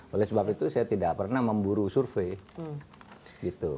oleh sebab itu saya tidak pernah memburu survei